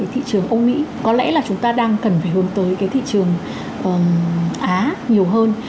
thị trường âu mỹ có lẽ là chúng ta đang cần phải hướng tới cái thị trường á nhiều hơn